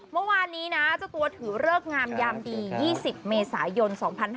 เมื่อวานนี้นะเจ้าตัวถือเลิกงามยามดี๒๐เมษายน๒๕๕๙